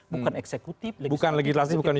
bukan eksekutif legislatif